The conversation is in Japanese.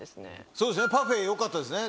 そうですねパフェよかったですね